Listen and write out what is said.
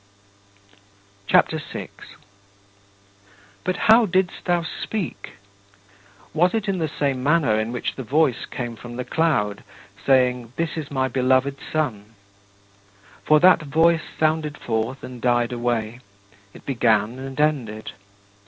CHAPTER VI 8. But how didst thou speak? Was it in the same manner in which the voice came from the cloud saying, "This is my beloved Son"? For that voice sounded forth and died away; it began and ended.